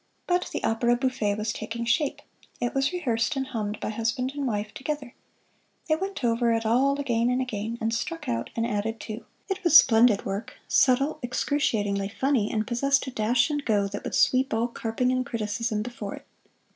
But the opera bouffe was taking shape. It was rehearsed and hummed by husband and wife together. They went over it all again and again, and struck out and added to. It was splendid work subtle, excruciatingly funny, and possessed a dash and go that would sweep all carping and criticism before it.